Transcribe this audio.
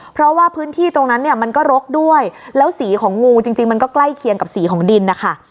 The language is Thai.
เพราะว่าพื้นที่ตรงนั้นเนี่ยมันก็รกด้วยแล้วสีของงูจริงมันก็ใกล้เคียงกับสีของดินนะคะ